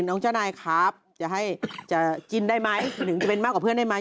เจ้านายครับจะให้จะกินได้ไหมถึงจะเป็นมากกว่าเพื่อนได้ไหม